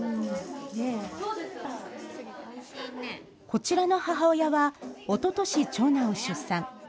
こちらの母親は、おととし長男を出産。